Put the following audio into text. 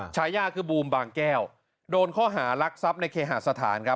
ชายาคือบูมบางแก้วโดนข้อหารักทรัพย์ในเคหาสถานครับ